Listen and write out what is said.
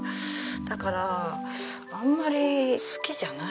だからあんまり好きじゃない。